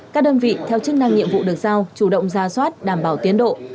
các đơn vị theo chức năng nhiệm vụ được giao chủ động ra soát đảm bảo tiến độ